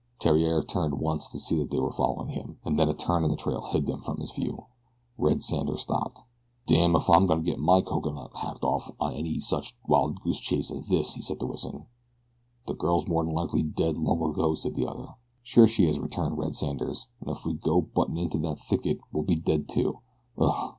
Theriere turned once to see that they were following him, and then a turn in the trail hid them from his view. Red Sanders stopped. "Damme if I'm goin' to get my coconut hacked off on any such wild goose chase as this," he said to Wison. "The girl's more'n likely dead long ago," said the other. "Sure she is," returned Red Sanders, "an' if we go buttin' into that there thicket we'll be dead too.